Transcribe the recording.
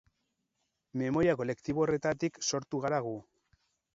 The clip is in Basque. Memoria kolektibo horretatik sortu gara gu.